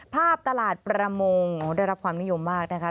ตลาดประมงได้รับความนิยมมากนะคะ